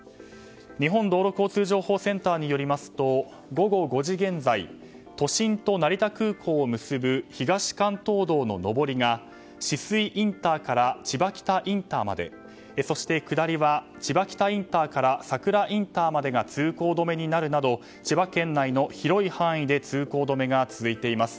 日本道路交通情報センターによりますと午後５時現在都心と成田空港を結ぶ東関東道の上りが酒々井インターから千葉北インターまでそして下りは千葉北ＩＣから佐倉ＩＣまでが通行止めになるなど千葉県内の広い範囲で通行止めが続いています。